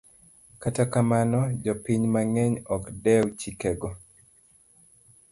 Kata kamano, jopiny mang'eny ok dew chikego.